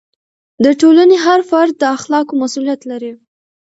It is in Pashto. د ټولنې هر فرد د اخلاقو مسؤلیت لري.